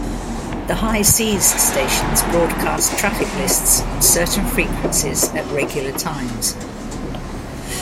The High Seas stations broadcast "traffic lists" on certain frequencies at regular times.